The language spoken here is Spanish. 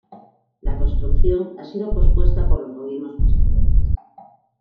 La construcción ha sido pospuesta por los gobiernos posteriores.